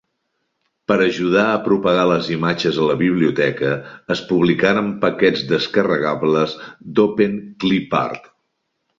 Per ajudar a propagar les imatges a la biblioteca, es publicaren paquets descarregables d'Openclipart.